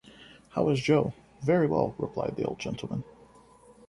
How is Joe?’ ‘Very well,’ replied the old gentleman.